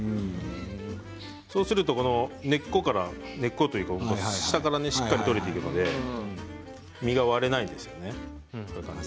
そうすると根っこから根っこというか下からしっかり取れていくので実が割れないんですよね。